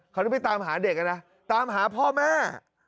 เขาได้ไปตามหาเด็กนะตามหาพ่อแม่